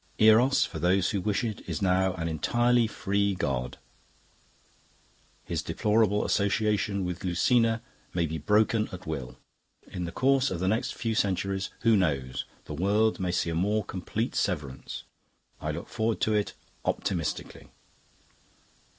Eros, for those who wish it, is now an entirely free god; his deplorable associations with Lucina may be broken at will. In the course of the next few centuries, who knows? the world may see a more complete severance. I look forward to it optimistically.